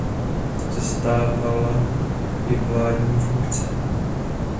Zastávala i vládní funkce.